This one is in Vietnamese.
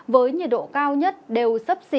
với nhiệt độ cao nhất đều sấp xỉ